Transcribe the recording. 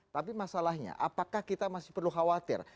tapi masalahnya apakah kita masih perlu khawatir